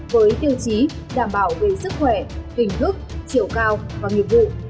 với tiêu chí đảm bảo về sức khỏe hình thức chiều cao và nghiệp vụ